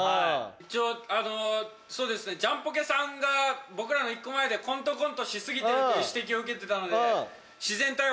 一応あのジャンポケさんが僕らの一個前でコントコントし過ぎてるっていう指摘を受けてたので。